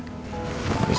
besok saya tunjuk ya